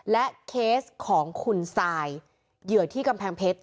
และเคสของคุณซายเหยื่อที่กำแพงเพชร